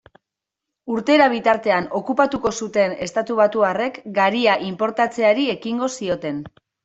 Urtera bitartean okupatuko zuten estatubatuarrek garia inportatzeari ekingo zioten.